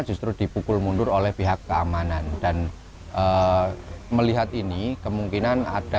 justru dipukul mundur oleh pihak keamanan dan melihat ini kemungkinan ada